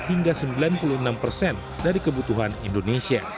hingga sembilan puluh enam persen dari kebutuhan indonesia